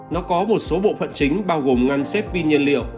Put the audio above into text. nó có một số bộ phận chính bao gồm ngăn xếp pin nhiên liệu